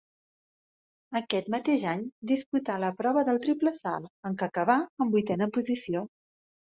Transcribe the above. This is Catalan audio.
Aquest mateix any disputà la prova del triple salt, en què acabà en vuitena posició.